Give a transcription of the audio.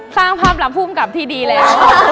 สร้างภาพลับภูมิกับที่ดีแล้ว